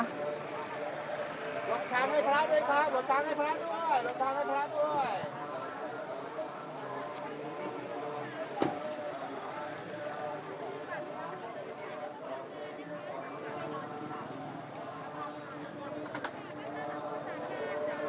ลดทางให้พักด้วยครับ